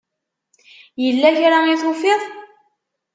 Yella kra i tufiḍ?